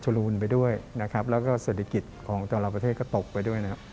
ลูนไปด้วยนะครับแล้วก็เศรษฐกิจของแต่ละประเทศก็ตกไปด้วยนะครับ